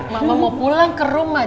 mama mau pulang ke rumah